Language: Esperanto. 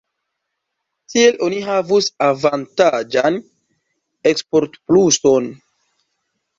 Tiel oni havus avantaĝan eksportpluson.